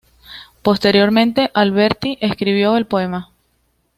Posteriormente Alberti escribió el poema.